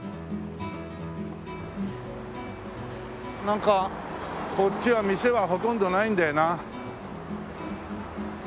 なんかこっちは店がほとんどないんだよな。